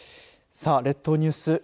さあ、列島ニュース